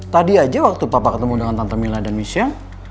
tadi aja waktu papa ketemu dengan tante mila dan michen